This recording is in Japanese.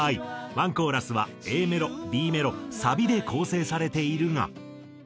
１コーラスはＡメロＢメロサビで構成されているが。